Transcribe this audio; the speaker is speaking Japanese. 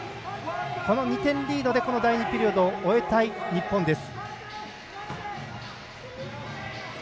この２点リードで第２ピリオドを終えたい日本です。